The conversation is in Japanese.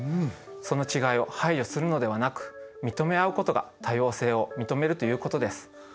その違いを排除するのではなく認め合うことが多様性を認めるということです。